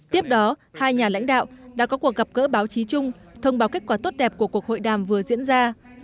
tiếp đó hai nhà lãnh đạo đã có cuộc gặp gỡ báo chí chung thông báo kết quả tốt đẹp của cuộc hội đàm vừa diễn ra